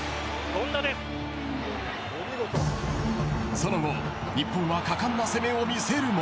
その後日本は果敢な攻めを見せるも。